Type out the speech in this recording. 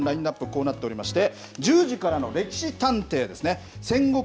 こうなっております。